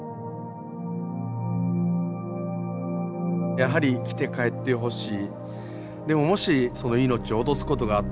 やはり生きて帰ってほしい。